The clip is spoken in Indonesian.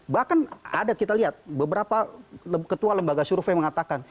bahkan ada kita lihat beberapa ketua lembaga survei mengatakan